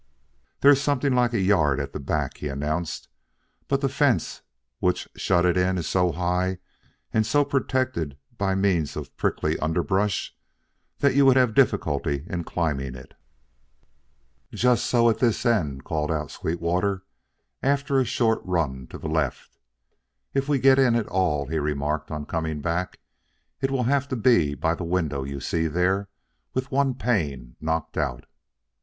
"There is something like a yard at the back," he announced, "but the fence which shut it in is so high and so protected by means of prickly underbrush that you would have difficulty in climbing it." "Just so at this end," called out Sweetwater after a short run to the left. "If we get in at all," he remarked on coming back, "it will have to be by the window you see there with one pane knocked out."